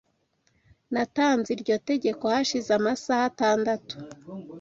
Natanze iryo tegeko hashize amasaha atandatu.